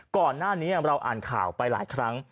ก่อนหน้านี้เราอ่านข่าวไปหลายครั้ง